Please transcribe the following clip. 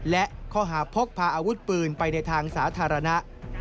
และข้อหาพกพาอาวุธปืนไปในทางสาธารณะ